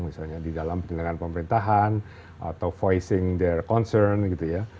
misalnya di dalam penyelenggaraan pemerintahan atau voicing the concern gitu ya